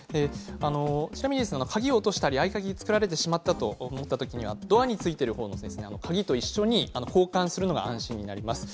ちなみに鍵を落としたり合鍵を作られてしまったと思った時はドアに付いている方の鍵と交換するのが安心です。